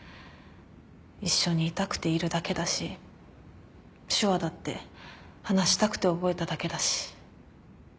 一緒にいたくているだけだし手話だって話したくて覚えただけだし。